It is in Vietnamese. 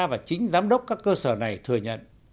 và chính giám đốc các cơ sở này thừa nhận